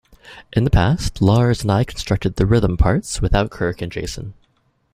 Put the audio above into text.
In the past, Lars and I constructed the rhythm parts without Kirk and Jason.